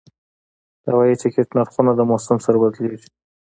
د هوایي ټکټ نرخونه د موسم سره بدلېږي.